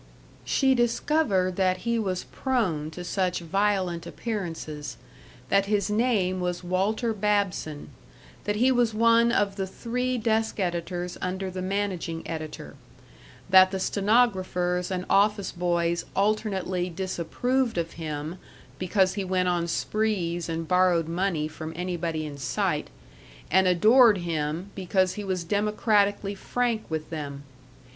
She discovered that he was prone to such violent appearances; that his name was Walter Babson; that he was one of the three desk editors under the managing editor; that the stenographers and office boys alternately disapproved of him, because he went on sprees and borrowed money from anybody in sight, and adored him because he was democratically frank with them.